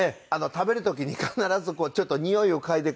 食べる時に必ずちょっと匂いを嗅いでから。